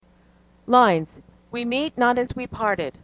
LINES: 'WE MEET NOT AS WE PARTED'.